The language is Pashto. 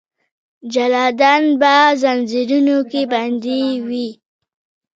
جلادان به ځنځیرونو کې بندي وي.